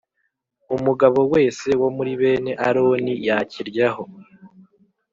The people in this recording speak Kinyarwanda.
Umugabo wese wo muri bene Aroni yakiryaho